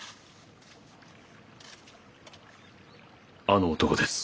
あの男です。